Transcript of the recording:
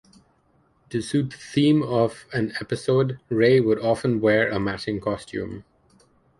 To suit the theme of an episode, Ray would often wear a matching costume.